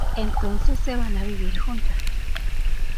Entonces se van a vivir juntas.